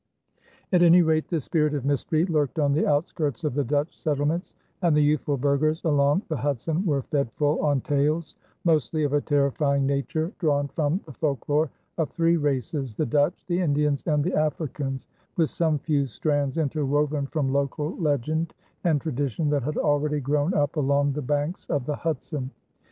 At any rate the spirit of mystery lurked on the outskirts of the Dutch settlements, and the youthful burghers along the Hudson were fed full on tales, mostly of a terrifying nature, drawn from the folklore of three races, the Dutch, the Indians, and the Africans, with some few strands interwoven from local legend and tradition that had already grown up along the banks of the Hudson.